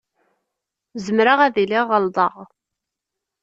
Zemreɣ ad iliɣ ɣelḍeɣ.